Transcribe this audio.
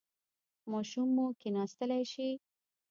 ماشوم مو کیناستلی شي؟